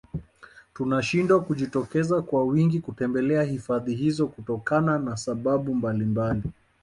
Tunashindwa kujitokeza kwa wingi kutembelea hifadhi hizo kutokana na sababu mbalimbali